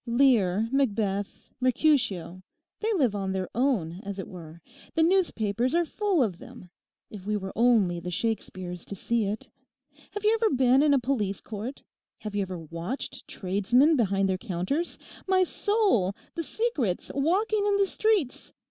'Lear, Macbeth, Mercutio—they live on their own, as it were. The newspapers are full of them, if we were only the Shakespeares to see it. Have you ever been in a Police Court? Have you ever watched tradesmen behind their counters? My soul, the secrets walking in the streets!